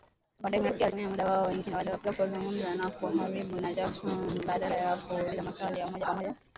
wanademokrasia walitumia muda wao mwingi waliopewa kuzungumza kwa ukaribu na Jackson, badala ya kuuliza maswali ya moja kwa moja.